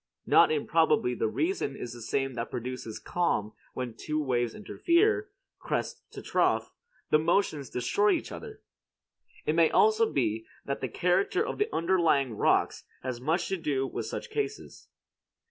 Not improbably the reason is the same that produces calm when two waves interfere, crest to trough; the motions destroy each other. It may be also that the character of the underlying rocks has much to do with such cases.